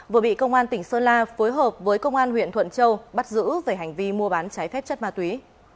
vừa bị công an tỉnh sơn la phối hợp với công an huyện thuận châu bắt giữ về hành vi mua bán trái phép chất ma túy